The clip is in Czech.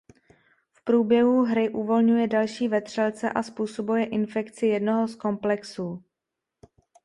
V průběhu hry uvolňuje další vetřelce a způsobuje infekci jednoho z komplexů.